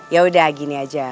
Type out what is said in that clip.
yaudah gini aja